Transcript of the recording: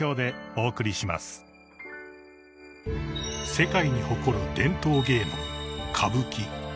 ・［世界に誇る伝統芸能歌舞伎］